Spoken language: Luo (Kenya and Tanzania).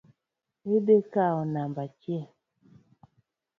Idhi kawo namba achiel.